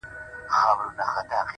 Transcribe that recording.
ستا د سترگو په بڼو کي را ايسار دي!